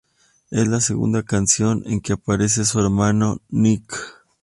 Es la segunda canción en que aparece su hermano, Nick.